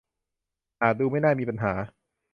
อาจดูไม่น่ามีปัญหา